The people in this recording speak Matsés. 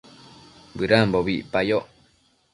bëdambobi icpayoc